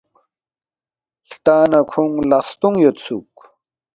ہلتا نہ کھونگ لق ستونگ یودسُوک